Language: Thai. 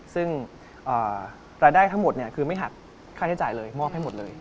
ซึ่งรายได้ทั้งหมดคือไม่หักค่าใช้จ่ายเลยมอบให้หมดเลย